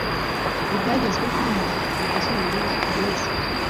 ibyagezweho na Porofeseri Hayes